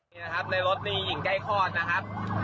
นี่นะครับในรถนี่หญิงใกล้คลอดนะครับ